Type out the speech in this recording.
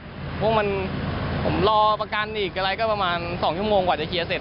เพราะมันผมรอประกันอีกอะไรก็ประมาณ๒ชั่วโมงกว่าจะเคลียร์เสร็จ